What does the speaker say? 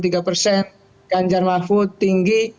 ganjar mahmud tinggi